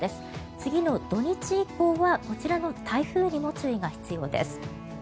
次の土日以降はこちらの台風にも注意が必要です。